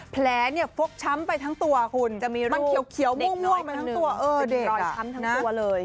แผลพกช้ำไปทั้งตัวคุณมันเขียวมั่วไปทั้งตัวเด็กอะโดยรอยช้ำทั้งตัวเลย